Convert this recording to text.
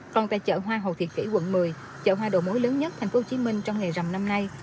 còn tại chợ hoa hồ thiệt kỷ quận một mươi chợ hoa đồ mối lớn nhất tp hcm trong ngày rằm năm nay